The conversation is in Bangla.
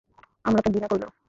আমরা তা ঘৃণা করলেও?